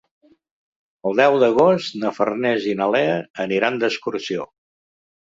El deu d'agost na Farners i na Lea aniran d'excursió.